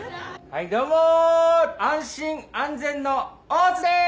はいどうも安心安全の大津です！